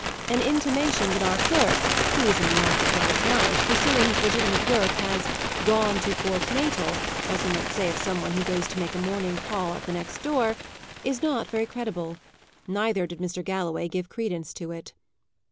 An intimation that our clerk, who was in the office last night, pursuing his legitimate work, has "gone to Port Natal," as we might say of some one who goes to make a morning call at the next door, is not very credible. Neither did Mr. Galloway give credence to it.